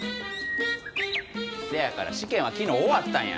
せやから試験は昨日終わったんや。